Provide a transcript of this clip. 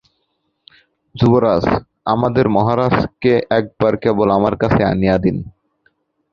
যুবরাজ, আমাদের মহারাজকে একবার কেবল আমার কাছে আনিয়া দিন।